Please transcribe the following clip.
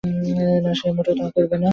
না, সে মোটেও তা করবেন না।